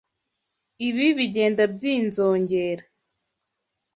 Ibi bigenda byizoongera.